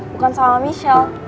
bukan sama michelle